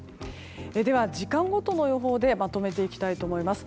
では時間ごとの予報でまとめていきたいと思います。